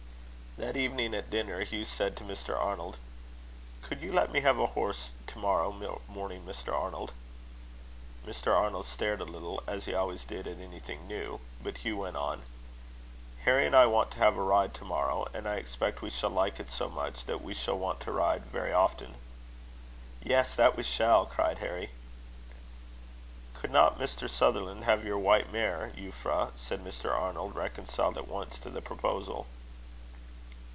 That evening, at dinner, Hugh said to Mr. Arnold: "Could you let me have a horse to morrow morning, Mr. Arnold?" Mr. Arnold stared a little, as he always did at anything new. But Hugh went on: "Harry and I want to have a ride to morrow; and I expect we shall like it so much, that we shall want to ride very often." "Yes, that we shall!" cried Harry. "Could not Mr. Sutherland have your white mare, Euphra?" said Mr. Arnold, reconciled at once to the proposal.